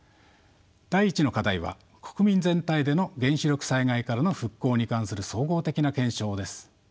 第１の課題は国民全体での原子力災害からの復興に関する総合的な検証です。